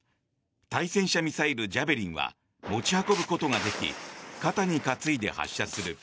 対戦車ミサイル、ジャベリンは持ち運ぶことができ肩に担いで発射する。